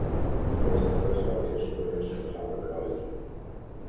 It was the first publication to mention Harvard College.